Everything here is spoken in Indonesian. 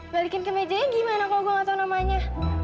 balikin ke mejanya gimana kalau gue gak tau namanya